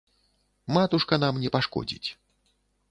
Матушка нам не пашкодзіць.